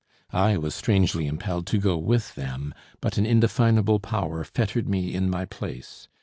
I was strangely impelled to go with them, but an indefinable power fettered me in my place.